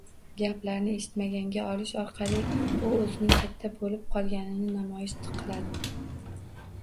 Gaplarni eshitmaganga olishi orqali u o‘zining katta bo‘lib qolganini namoyish qiladi.